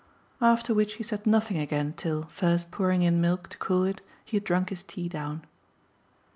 After which he said nothing again till, first pouring in milk to cool it, he had drunk his tea down.